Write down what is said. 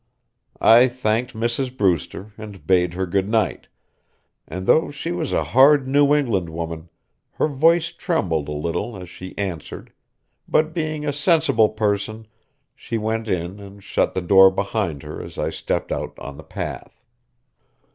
I thanked Mrs. Brewster, and bade her good night; and though she was a hard New England woman her voice trembled a little as she answered, but being a sensible person she went in and shut the door behind her as I stepped out on the path.